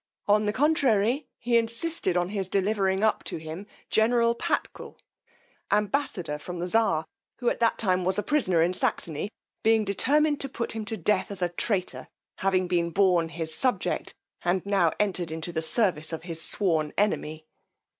On the contrary, he insisted on his delivering up to him general Patkul, ambassador from the czar, who at that time was a prisoner in Saxony, being determined to put him to death as a traitor, having been born his subject, and now entered into the service of his sworn enemy.